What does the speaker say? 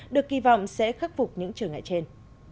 được kỳ vọng sẽ khắc phục những trở ngại trên